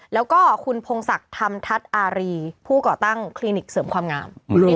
แล้วก็คุณพงศักดิ์ธรรมทัศน์อารีผู้ก่อตั้งคลินิกเสริมความงาม